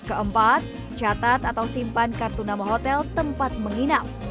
keempat catat atau simpan kartu nama hotel tempat menginap